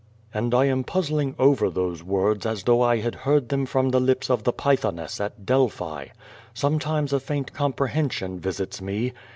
'' And I am puzzling over those words as though I had heard them from the lips of the Pythoness at Delphi. Sometim<!8 a faint comprehension visits me.